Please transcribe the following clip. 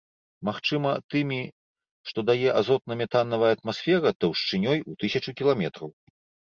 Магчыма, тымі, што дае азотна-метанавая атмасфера таўшчынёй у тысячу кіламетраў.